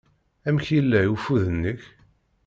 Amek yella ufud-nnek?